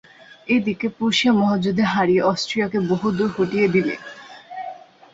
এ দিকে প্রুশিয়া মহাযুদ্ধে হারিয়ে অষ্ট্রীয়াকে বহুদূর হঠিয়ে দিলে।